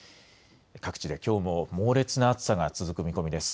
各地できょうも猛烈な暑さが続く見込みです。